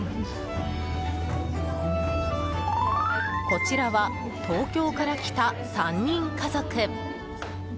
こちらは東京から来た３人家族。